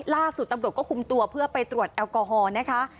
ล่าสุดตำรวจก็คุมตัวเพื่อไปตรวจแอลกอฮอล์นะคะ